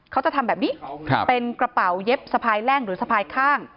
เขาจะทำแบบนี้เป็นกระเป๋าเย็บสะพายแล่งหรือสะพายข้าง